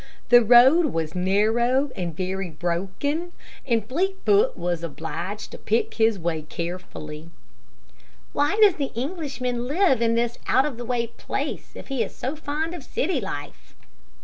The road was narrow and very broken, and Fleetfoot was obliged to pick his way carefully. "Why does the Englishman live in this out of the way place, if he is so fond of city life?"